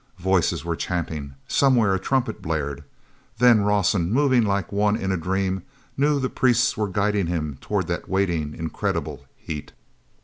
Voices were chanting—somewhere a trumpet blared. Then Rawson, moving like one in a dream, knew the priests were guiding him toward that waiting, incredible heat.